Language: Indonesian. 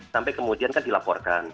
sampai kemudian kan dilaporkan